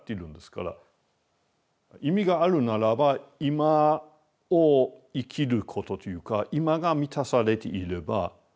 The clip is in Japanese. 意味があるならば今を生きることというか今が満たされていればもうそれ以上に意味がない。